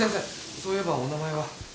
そういえばお名前は？